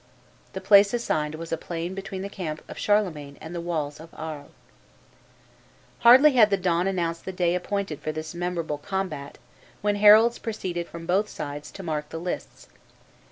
The place assigned was a plain between the camp of Charlemagne and the walls of Arles. Hardly had the dawn announced the day appointed for this memorable combat, when heralds proceeded from both sides to mark the lists.